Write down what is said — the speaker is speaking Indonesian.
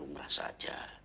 tetapi merusak nama baik orang